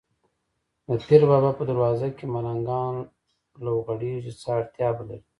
د پیر بابا په دروازه کې ملنګان لوغړېږي، څه اړتیا به لري.